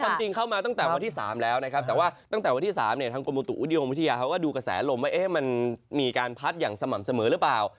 จริงเข้ามาตั้งแต่วันที่๓แล้วนะครับแต่ว่าตั้งแต่วันที่๓เนี่ยทางกรมบุตุนิยมวิทยาเขาก็ดูกระแสลมว่ามันมีการพัดอย่างสม่ำเสมอหรือเปล่า